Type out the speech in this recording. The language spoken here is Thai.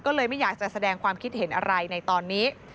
ก็เลยไม่อยากจะแสดงความคิดเห็นอะไรในตอนนี้